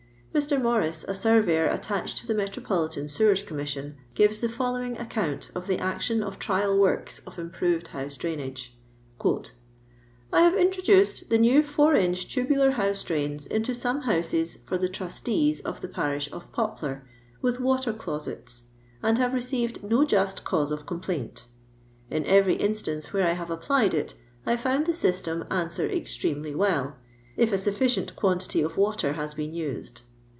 " Mr. Morris, a surveyor attached to the Me tropolitan Sewen Commission, gives the following account of the action of trial works of improved house drainage :—*'' I have introduced the new 4 inch tubular house drains into some houses for the trustees of the parish of Poplar, with water closets, and have received no just cause of comphunt. In every instance where I have applied it, I found the system answer extremely well, if a sufficient quantity of water has been used.